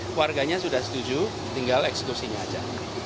keluarganya sudah setuju tinggal eksekusinya aja